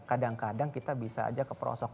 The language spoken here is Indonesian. kadang kadang kita bisa aja keprosok